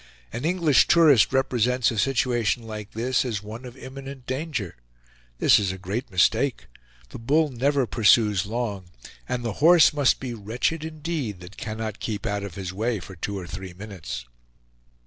An English tourist represents a situation like this as one of imminent danger; this is a great mistake; the bull never pursues long, and the horse must be wretched indeed that cannot keep out of his way for two or three minutes.